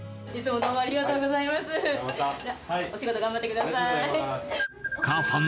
お仕事頑張ってください。